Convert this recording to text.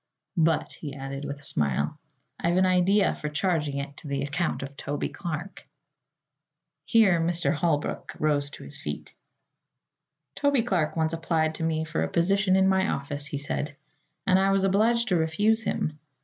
But," he added with a smile, "I've an idea of charging it to the account of Toby Clark." Here Mr. Holbrook rose to his feet. "Toby Clark once applied to me for a position in my office," he said, "and I was obliged to refuse him.